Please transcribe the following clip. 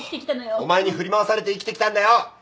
お前に振り回されて生きてきたんだよ！